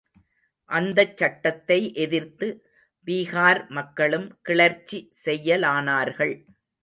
அந்தச் சட்டத்தை எதிர்த்து பீகார் மக்களும் கிளர்ச்சி செய்யலானார்கள்.